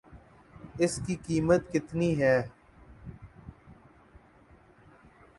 اس کی قیمت کتنی ہے